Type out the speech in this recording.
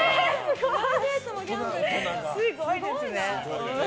すごいですね！